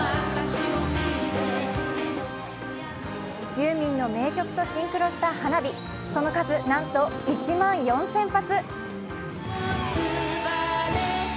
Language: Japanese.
ユーミンの名曲とシンクロした花火、その数、なんと１万４０００発。